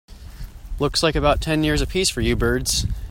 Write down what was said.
Looks like about ten years a piece for you birds.